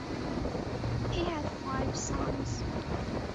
He had five sons.